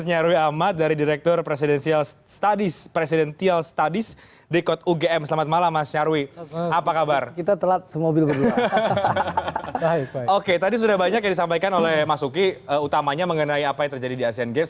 yang tadi disampaikan oleh mas suki utamanya mengenai apa yang terjadi di asian games